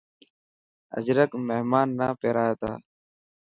اجرڪ مهمان نا پيرائي تا.